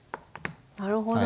なるほど。